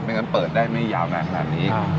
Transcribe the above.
งั้นเปิดได้ไม่ยาวนานขนาดนี้